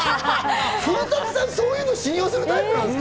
古舘さん、そういうの信用するタイプですか？